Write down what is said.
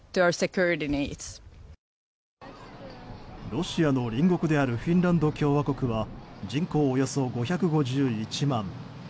ロシアの隣国であるフィンランド共和国は人口およそ５５１万。